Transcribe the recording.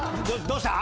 どうした？